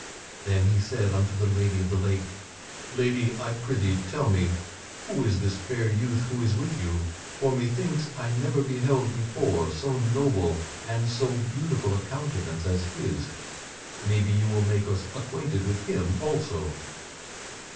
Then he said unto the Lady of the Lake: "Lady, I prithee tell me, who is this fair youth who is with you. For methinks I never beheld before so noble and so beautiful a countenance as his. Maybe you will make us acquainted with him also."